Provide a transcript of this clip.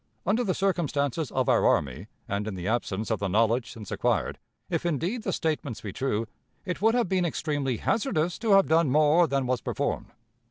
Under the circumstances of our army, and in the absence of the knowledge since acquired, if indeed the statements be true, it would have been extremely hazardous to have done more than was performed.